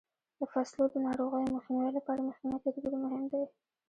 د فصلو د ناروغیو مخنیوي لپاره مخکینی تدبیر مهم دی.